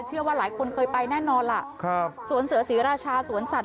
เชื่อว่าหลายคนเคยไปแน่นอนล่ะครับสวนเสือศรีราชาสวนสัตว